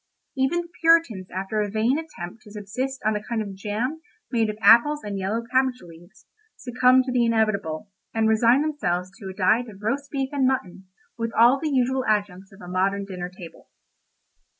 Even the Puritans after a vain attempt to subsist on a kind of jam made of apples and yellow cabbage leaves, succumbed to the inevitable, and resigned themselves to a diet of roast beef and mutton, with all the usual adjuncts of a modern dinner table.